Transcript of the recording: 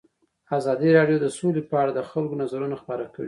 ازادي راډیو د سوله په اړه د خلکو نظرونه خپاره کړي.